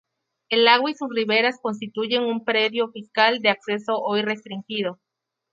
El lago y sus riberas constituyen un predio fiscal de acceso hoy restringido.